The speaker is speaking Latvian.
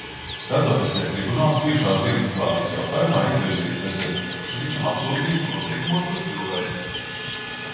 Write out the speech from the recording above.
Starptautiskais tribunāls bijušās Dienvidslāvijas jautājumā izvirzīja prezidentam Miloševičam apsūdzību noziegumos pret cilvēci.